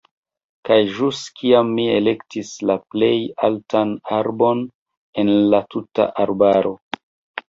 Kaj ĵus kiam mi elektis la plej altan arbon en la tuta arbaro.